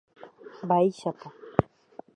Mba'éichapa.